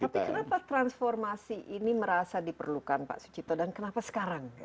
tapi kenapa transformasi ini merasa diperlukan pak sucipto dan kenapa sekarang